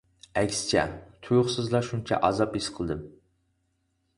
ئەكسىچە تۇيۇقسىزلا شۇنچە ئازاب ھېس قىلدىم.